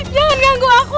jangan ganggu aku